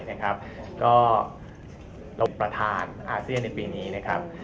ก็เราเป็นประธานอาเซียในปีนี้นะครับ